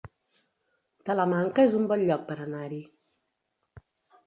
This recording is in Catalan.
Talamanca es un bon lloc per anar-hi